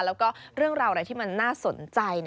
แล้วก็เรื่องราวอะไรที่มันน่าสนใจ